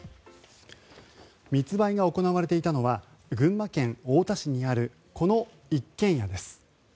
密売が行われていたのは群馬県太田市にあるこの一軒家です。